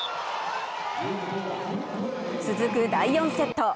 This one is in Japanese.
続く第４セット。